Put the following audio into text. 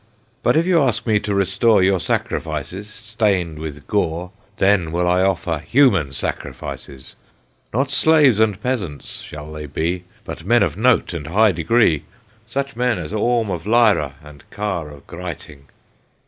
"But if you ask me to restore Your sacrifices, stained with gore, Then will I offer human sacrifices! "Not slaves and peasants shall they be, But men of note and high degree, Such men as Orm of Lyra and Kar of Gryting!"